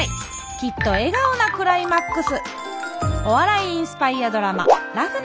きっと笑顔なクライマックス！